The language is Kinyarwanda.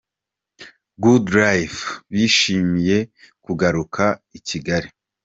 Good lyfe bishimiye kugaruka i Kigali.